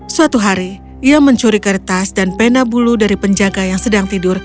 suatu hari ia mencuri kertas dan pena bulu dari penjaga yang sedang tidur